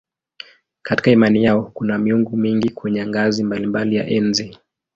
Katika imani yao kuna miungu mingi kwenye ngazi mbalimbali ya enzi.